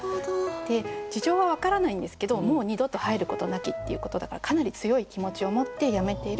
事情は分からないんですけど「もう二度と入ることなき」っていうことだからかなり強い気持ちを持って辞めている。